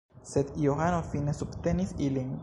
Sed Johano fine submetis ilin.